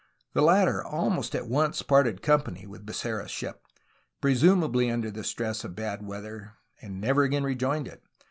The latter almost at once parted company with Becerra's ship, presumably under the stress of bad weather, and never again rejoined it.